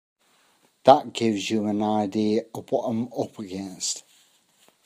That gives you an idea of what I'm up against.